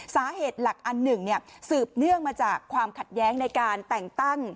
สาเหตุหลักอันหนึ่งสืบเนื่องมาจากความขัดแย้งในการแต่งตั้ง